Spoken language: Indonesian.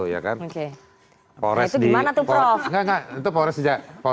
itu gimana tuh prof